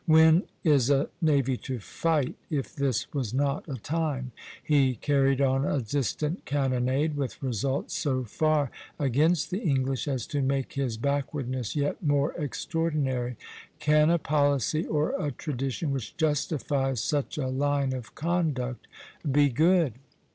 When is a navy to fight, if this was not a time? He carried on a distant cannonade, with results so far against the English as to make his backwardness yet more extraordinary. Can a policy or a tradition which justifies such a line of conduct be good?